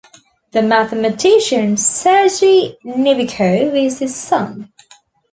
The mathematician Sergei Novikov is his son.